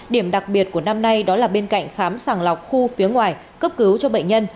điểm đặc biệt của năm nay đó là bên cạnh khám sàng lọc khu phía ngoài cấp cứu cho bệnh nhân